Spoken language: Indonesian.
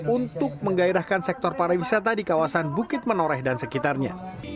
untuk menggairahkan sektor pariwisata di kawasan bukit menoreh dan sekitarnya